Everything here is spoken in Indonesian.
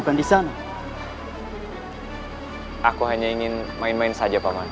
aku hanya ingin main main saja pak man